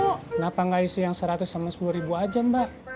kenapa nggak isi yang seratus sama sepuluh ribu aja mbak